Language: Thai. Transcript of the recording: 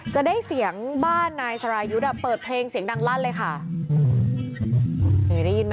จะได้เสียงบ้านนายสรายยุทธ์อ่ะเปิดเพลงเสียงดังลั่นเลยค่ะเหนื่อยได้ยินไหม